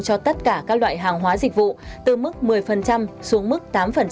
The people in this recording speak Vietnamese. cho tất cả các loại hàng hóa dịch vụ từ mức một mươi xuống mức tám